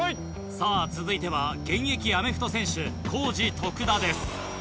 さぁ続いては現役アメフト選手コージ・トクダです。